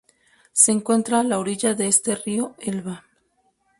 Se encuentra a la orilla este del río Elba.